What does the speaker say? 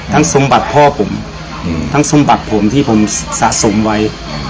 ซุ้มบัตรพ่อผมทั้งสมบัติผมที่ผมสะสมไว้